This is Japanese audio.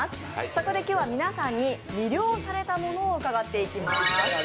そこで今日は皆さんに魅了されたものを伺っていきます。